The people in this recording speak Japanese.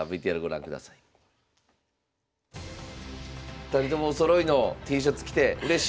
２人ともおそろいのＴシャツ着てうれしい。